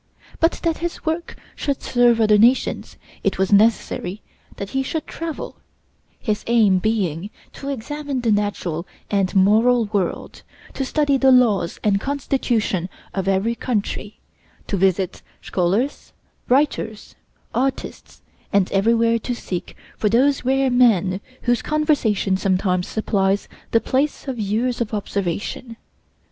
But that his works should serve other nations, it was necessary that he should travel, his aim being to examine the natural and moral world, to study the laws and constitution of every country; to visit scholars, writers, artists, and everywhere to seek for those rare men whose conversation sometimes supplies the place of years of observation.